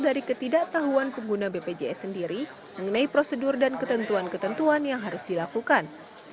dari ketidaktahuan pengguna bpjs sendiri mengenai prosedur dan ketentuan ketentuan yang harus dilakukan